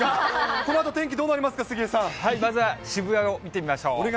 このあと天気どうなりますか、まずは渋谷を見てみましょう。